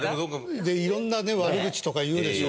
色んな悪口とか言うでしょ。